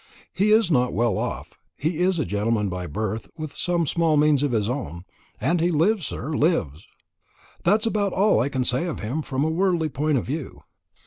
He is not well off; he is a gentleman by birth, with some small means of his own, and he 'lives, sir, lives.' That is about all I can say of him from a worldly point of view.